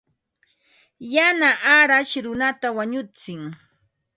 Yana arash runata wañutsin.